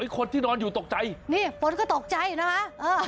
คนที่นอนอยู่ตกใจนี่ฝนก็ตกใจนะคะ